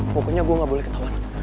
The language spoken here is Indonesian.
pokoknya gue gak boleh ketahuan